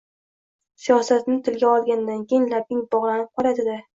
Siyosatni tilga olgandan keyin labing bog‘lanib qoladi-da.